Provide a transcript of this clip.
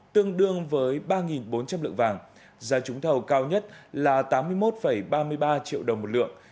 tương đương với ba bốn trăm linh lượng vàng giá trúng thầu cao nhất là tám mươi một ba mươi ba triệu đồng một lượng